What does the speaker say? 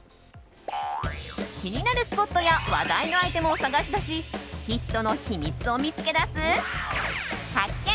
気になるスポットや話題のアイテムを探し出しヒットの秘密を見つけ出す発見！